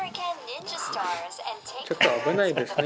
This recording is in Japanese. ちょっと危ないですね。